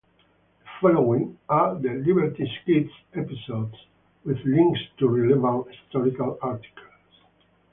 The following are the "Liberty's Kids" episodes, with links to relevant historical articles.